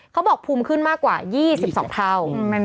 เขาบอกภูมิขึ้นมากกว่า๒๒เท่า